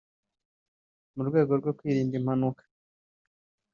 mu rwego rwo kwirinda impanuka